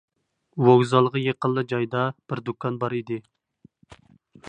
ۋوگزالغا يېقىنلا جايدا بىر دۇكان بار ئىدى.